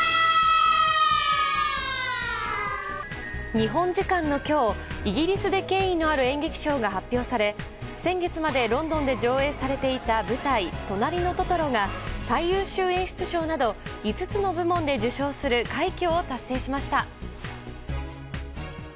日本時間の今日イギリスで権威のある演劇賞が発表され先月までロンドンで上映されていた舞台「となりのトトロ」が最優秀演出賞など５つの部門で受賞する快挙を達成しました。